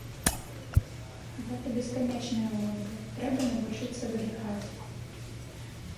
Гэта бесканечная гонка, трэба навучыцца выдыхаць.